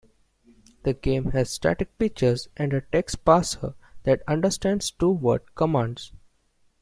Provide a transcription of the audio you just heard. The game has static pictures and a text parser that understands two-word commands.